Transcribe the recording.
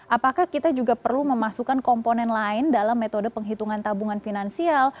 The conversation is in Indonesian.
apakah kita juga perlu memasukkan komponen lain dalam metode penghitungan tabungan finansial